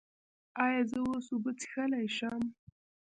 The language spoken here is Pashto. ایا زه اوس اوبه څښلی شم؟